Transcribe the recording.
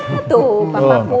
loh papa pulang kerja masih capek